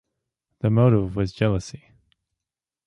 The motive was jealousy.